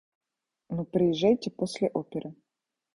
Но приезжайте после оперы.